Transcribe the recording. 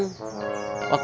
waktu saya berikan